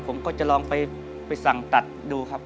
ผมก็จะลองไปสั่งตัดดูครับ